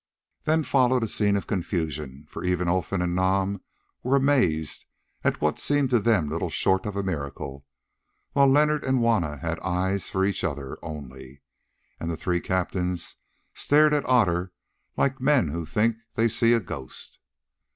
Then followed a scene of confusion, for even Olfan and Nam were amazed at what seemed to them little short of a miracle, while Leonard and Juanna had eyes for each other only, and the three captains stared at Otter like men who think they see a ghost.